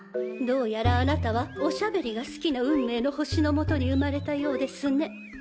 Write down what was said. どうやらあなたはおしゃべりが好きな運命の星の下に生まれたようですね。